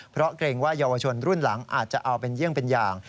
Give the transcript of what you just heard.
เพราะเกรงว่าเยาวชนรุ่นหลังอาจจะเอาเป็นเยี่ยงเป็นอย่าง